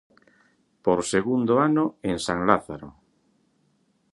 Por segundo ano en San Lázaro.